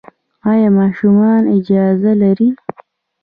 ایا ماشومان اجازه لري؟